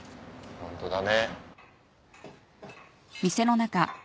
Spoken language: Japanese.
ホントだね。